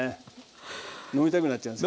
飲みたくなっちゃいます。